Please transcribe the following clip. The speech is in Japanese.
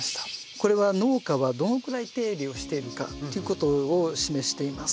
これは農家はどのくらい手入れをしているかということを示しています。